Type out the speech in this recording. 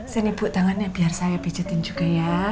sini bu tangannya biar saya pijetin juga ya